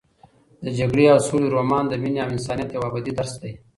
د جګړې او سولې رومان د مینې او انسانیت یو ابدي درس دی.